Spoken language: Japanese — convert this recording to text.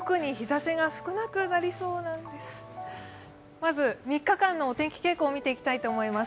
まず３日間のお天気傾向を見ていきたいと思います。